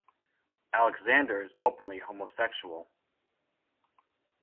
Alexander is openly homosexual.